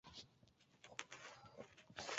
与他们相处不是很愉快